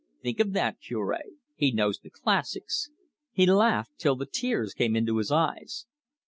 "Think of that, Cure! He knows the classics." He laughed till the tears came into his eyes.